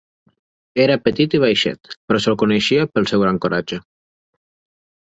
Era petit i baixet però se'l coneixia pel seu gran coratge.